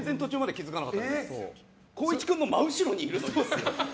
光一君の真後ろにいるのに。